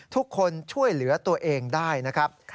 ทุกคนช่วยเหลือตัวเองได้นะครับ